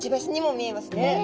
見えます。